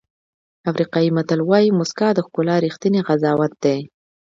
افریقایي متل وایي موسکا د ښکلا ریښتینی قضاوت دی.